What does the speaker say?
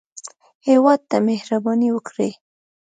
هېواد ته مهرباني وکړئ